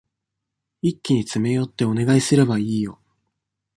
一気に詰め寄ってお願いすればいいよ。